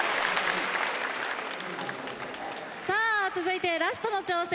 さあ続いてラストの挑戦